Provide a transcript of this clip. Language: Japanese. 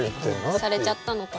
何かされちゃったのかな。